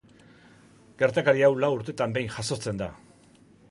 Gertakari hau lau urtetan behin jazotzen da.